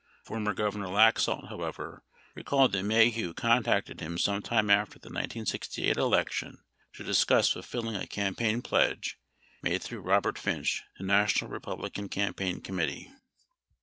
Former Governor Laxalt, however, recalled that Maheu contacted him sometime after the 1968 election to discuss fulfilling a campaign pledge made through Robert Finch to National Republican Campaign Committee.